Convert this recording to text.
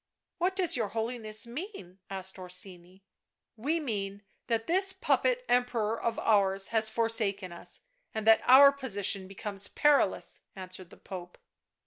" What does your Holiness mean?" asked Orsini. " We mean that this puppet Emperor of ours has forsaken us, and that our position becomes perilous," answered the Pope.